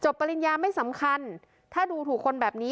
ปริญญาไม่สำคัญถ้าดูถูกคนแบบนี้